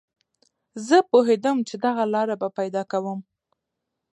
زه پوهېدم چې دغه لاره به پیدا کوم